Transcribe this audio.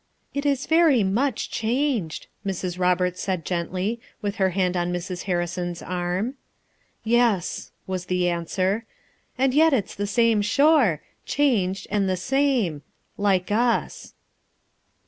"It is very much changed," Mrs. Roberts said gently with her hand on Mrs. Harrison's arm. "Yes," was the answer. "And yet it's the same shore; changed, and the same; like us."